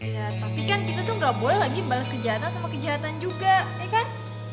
iya tapi kan kita tuh gak boleh lagi balas kejahatan sama kejahatan juga eh kan